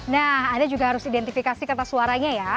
nah anda juga harus identifikasi kertas suaranya ya